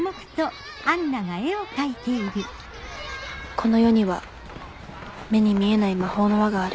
この世には目に見えない魔法の輪がある